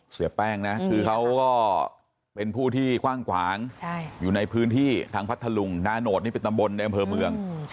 เสียแป้งนะคือเขาก็เป็นผู้ที่กว้างขวางอยู่ในพื้นที่ทางพัทธลุงนาโนตนี่เป็นตำบลในอำเภอเมือง